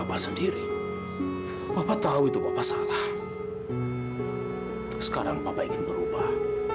aku mau ke rumah